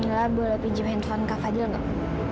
ya boleh pinjem handphone kak fadil gak